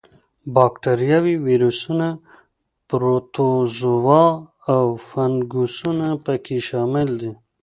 با کتریاوې، ویروسونه، پروتوزوا او فنګسونه په کې شامل دي.